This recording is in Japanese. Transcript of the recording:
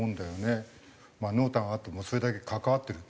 濃淡あってもそれだけ関わってる。